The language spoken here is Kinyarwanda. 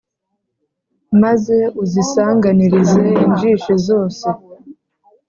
Maze uzisanganirize injishi zose